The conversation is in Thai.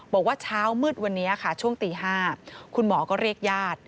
บอกว่าเช้ามืดวันนี้ค่ะช่วงตี๕คุณหมอก็เรียกญาติ